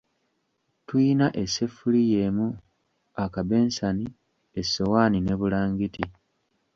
Tuyina essefuliya emu akabensani, essowaani ne bulangiti.